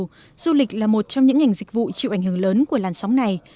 doanh nghiệp bốn du lịch là một trong những ngành dịch vụ chịu ảnh hưởng lớn của làn sóng này